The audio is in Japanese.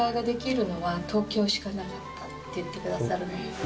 って言ってくださる。